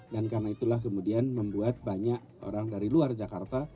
dan karena itulah kemudian membuat banyak orang dari luar jakarta